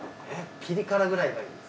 ピリ辛くらいがいいです。